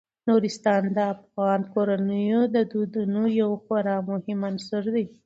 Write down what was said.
نورستان د افغان کورنیو د دودونو یو خورا مهم عنصر دی.